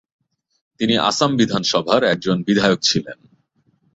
তিনি আসাম বিধানসভার একজন বিধায়ক ছিলেন।